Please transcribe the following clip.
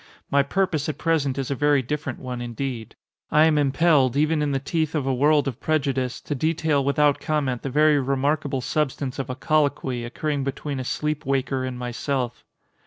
My purpose at present is a very different one indeed. I am impelled, even in the teeth of a world of prejudice, to detail without comment the very remarkable substance of a colloquy, occurring between a sleep waker and myself.